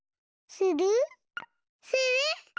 する？